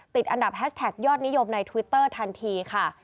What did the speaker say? ติดอันดับแฮชแท็กยอดนิยมในทวิตเตอร์ทันทีค่ะ